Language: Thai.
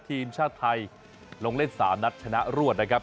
ทีมชาติไทยลงเล่น๓นัดชนะรวดนะครับ